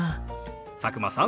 佐久間さん